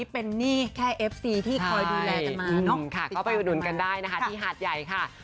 โปรดติดตามตอนต่อไป